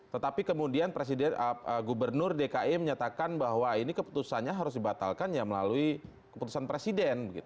tetapi kemudian gubernur dki menyatakan bahwa ini keputusannya harus dibatalkan ya melalui keputusan presiden